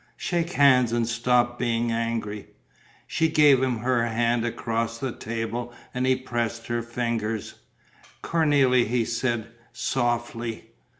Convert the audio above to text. Shake hands and stop being angry." She gave him her hand across the table and he pressed her fingers: "Cornélie," he said, softly.